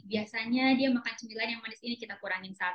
biasanya dia makan cemilan yang manis ini kita kurangi